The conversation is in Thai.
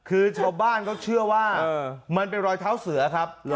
คือชาวบ้านเขาเชื่อว่ามันเป็นรอยเท้าเสือครับ